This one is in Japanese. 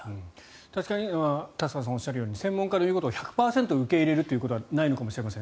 確かに田坂さんの言うように専門家の言うことを１００％受け入れるということはないのかもしれません。